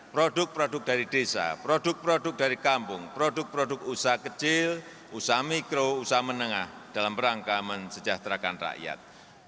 produk produk dari desa produk produk dari kampung produk produk usaha kecil usaha mikro usaha menengah dalam rangka mensejahterakan rakyat